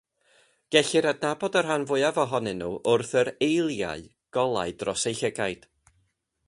Gellir adnabod y rhan fwyaf ohonyn nhw wrth yr “aeliau” golau dros eu llygaid.